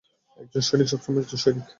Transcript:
একজন সৈনিক সবসময় একজন সৈনিক।